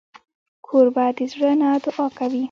کوربه د زړه نه دعا کوي.